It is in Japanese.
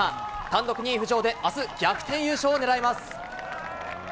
単独２位浮上であす、逆転優勝を狙います。